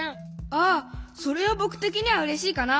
ああそれはぼくてきにはうれしいかな。